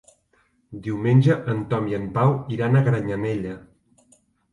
Diumenge en Tom i en Pau iran a Granyanella.